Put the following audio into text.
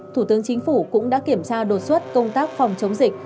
thủ tướng chính phủ cũng đã kiểm tra đột xuất công tác phòng chống dịch